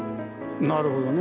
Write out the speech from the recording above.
なるほどね。